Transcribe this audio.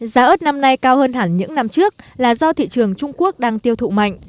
giá ớt năm nay cao hơn hẳn những năm trước là do thị trường trung quốc đang tiêu thụ mạnh